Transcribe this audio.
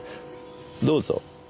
どうぞ。